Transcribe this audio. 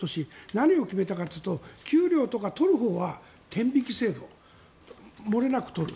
何を決めたかというと給料とか取るほうは天引き制度漏れなく取る。